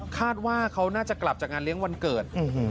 คาดว่าเขาน่าจะกลับจากงานเลี้ยงวันเกิด